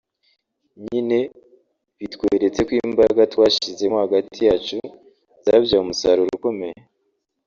nyine bitweretse ko imbaraga twashyizemo hagati yacu zabyaye umusaruro ukomeye